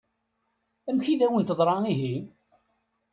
Amek i d-awen-teḍṛa ihi?